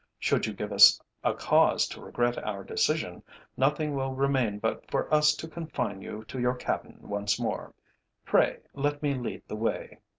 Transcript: "Should you give us a cause to regret our decision, nothing will remain but for us to confine you to your cabin once more. Pray let me lead the way."